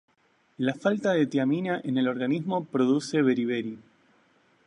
La falta de tiamina en el organismo produce beriberi.